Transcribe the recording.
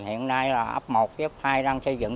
hiện nay là ấp một ấp hai đang xây dựng